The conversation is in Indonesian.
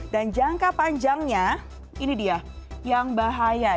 dan jangka panjangnya ini dia yang bahaya